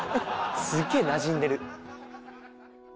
すっげえなじんでる。